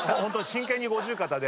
真剣に五十肩で。